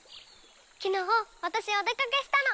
きのうわたしお出かけしたの。